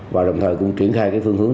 và đồng thời cũng triển khai phương hướng